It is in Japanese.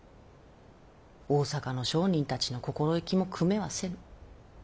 大坂の商人たちの心意気もくめはせぬ。